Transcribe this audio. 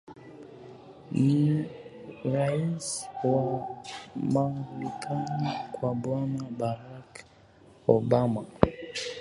ni rais wa marekani bwana barack obama